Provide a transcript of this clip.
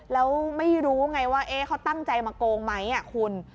แล้วไม่รู้ไงว่าเขาตั้งใจมาโกงไหมคุณ